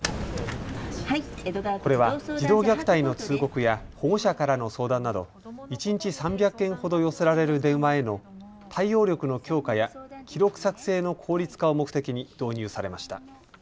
これは児童虐待の通告や保護者からの相談など一日３００件ほど寄せられる電話への対応力の強化や記録作成の効率化を目的に導入されました。